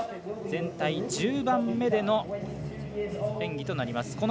全体１０番目での演技となります。